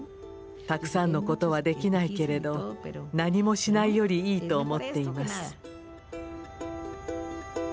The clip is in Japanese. たくさんのことはできないけれど何もしないよりいいと思っています。